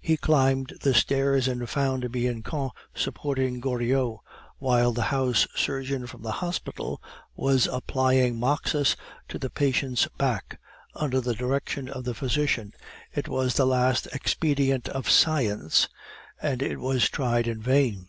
He climbed the stairs and found Bianchon supporting Goriot, while the house surgeon from the hospital was applying moxas to the patient's back under the direction of the physician, it was the last expedient of science, and it was tried in vain.